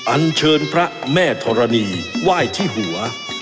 อันเชิญพระแม่ธรณีไหว้ที่หัว